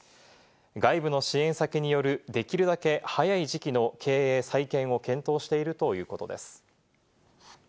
外部の支援先による、できるだけ早い時期の経営再建を検討しているということです。